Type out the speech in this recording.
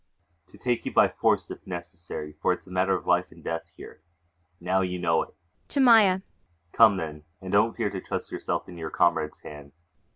ULFHEIM. [Harshly.] To take you by force if necessary for it's a matter of life and death here. Now, you know it. [To MAIA.] Come, then and don't fear to trust yourself in your comrade's hands.